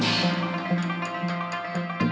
เสาคำยันอาวุธิ